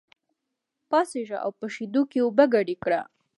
پاڅېږه او په شېدو کې اوبه ګډې کړه.